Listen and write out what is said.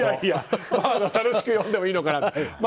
楽しく読んでもいいのかなと。